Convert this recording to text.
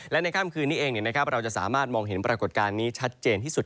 และในค่ำคืนนี้เองเราจะสามารถมองเห็นปรากฏการณ์นี้ชัดเจนที่สุด